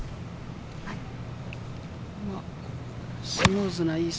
はい。